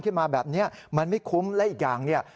มาแบบนี้มันไม่คุ้มและอีกอย่างเนี่ย